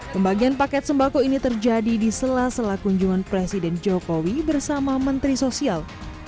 pembagian paket sembako ini terjadi di sela sela kunjungan presiden jokowi bersama menteri sosial